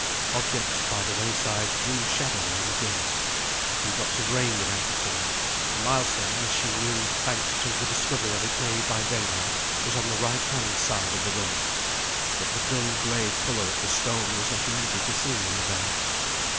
Objects by the wayside grew shadowy and dim. A few drops of rain began to fall. The milestone, as she knew thanks to the discovery of it made by daylight was on the right hand side of the road. But the dull grey colour of the stone was not easy to see in the dark.